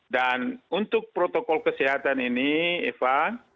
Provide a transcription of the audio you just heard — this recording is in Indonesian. dan untuk protokol kesehatan ini eva